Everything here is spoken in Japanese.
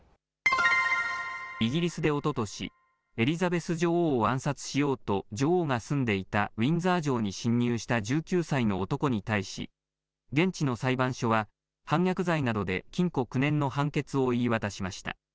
イギリスでおととしエリザベス女王を暗殺しようと女王が住んでいたウィンザー城に侵入した１９歳の男に対し現地の裁判所は反逆罪などで禁錮９年の判決を言い渡しました。